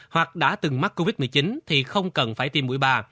hoặc đã từng mắc covid một mươi chín thì không cần phải tiêm mũi ba